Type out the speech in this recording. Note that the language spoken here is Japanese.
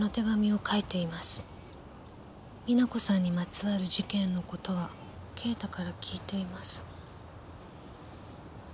「実那子さんにまつわる事件のことは敬太から聞いています」